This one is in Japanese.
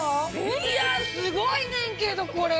いやすごいねんけどこれ！